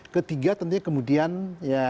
ketiga tentunya kemudian ya